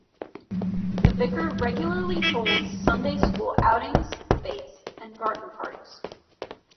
The Vicar regularly holds Sunday School outings, fetes, and garden parties.